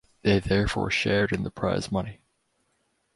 They therefore shared in the prize money.